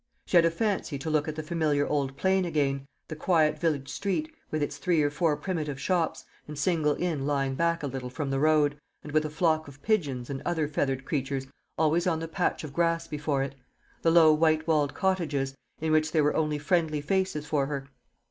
She had a fancy to look at the familiar old plane again the quiet village street, with its three or four primitive shops, and single inn lying back a little from the road, and with a flock of pigeons and other feathered creatures always on the patch of grass before it; the low white walled cottages, in which there were only friendly faces for her.